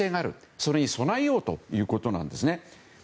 それに備えようということなんですね。